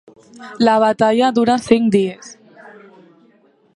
La batalla dura cinc dies».